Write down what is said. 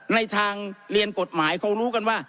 ในทางเรียนกฎหมายเขารู้กันว่า